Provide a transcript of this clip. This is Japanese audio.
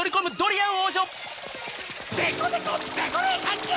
デコデコデコレーションじゃ！